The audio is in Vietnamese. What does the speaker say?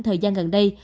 thời gian gần đây